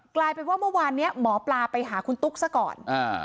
กลายเป็นว่าเมื่อวานนี้หมอปลาไปหาคุณตุ๊กซะก่อน